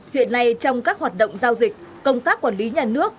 hiện nay trong các hoạt động giao dịch công tác quản lý nhà nước